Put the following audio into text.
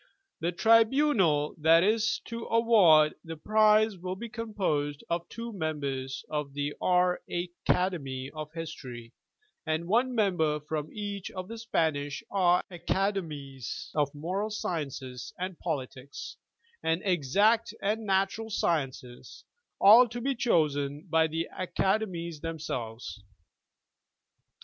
The tribunal that is to award the prize will be composed of two members of the R. Acad, of History, and one member from each of the Spanish R. Academies of Moral Sciences and Politics, and Exact and Natural Sciences — all to be chosen by the Acade mies themselves.